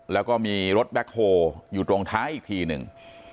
แล้วก็มีรถแบ็คโฮลอยู่ตรงท้ายอีกทีหนึ่ง